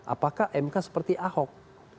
apakah mk seperti ahok